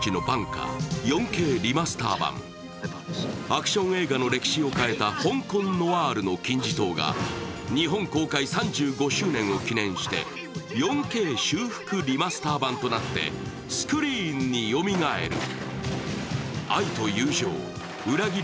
アクション映画の歴史を変えた香港ノワールの金字塔が日本公開３５周年を記念して４Ｋ修復リマスター版となってスクリーンによみがえる。